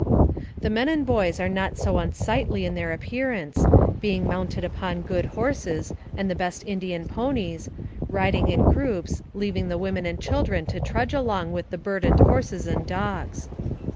The men and boys are not so unsightly in their ap pearance, being mounted upon good horses and the best Indian ponies, riding in groups, leaving the women and children to trudge along with the bur dened horses and dogs.